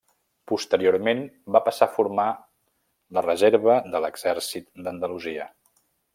Posteriorment va passar a formar la reserva de l'Exèrcit d'Andalusia.